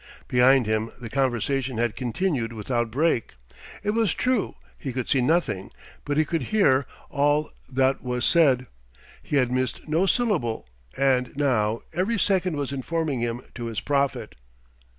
Behind him the conversation had continued without break. It was true, he could see nothing; but he could hear all that was said, he had missed no syllable, and now every second was informing him to his profit....